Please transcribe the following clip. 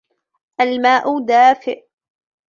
الماء دافئ